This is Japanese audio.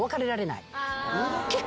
結構。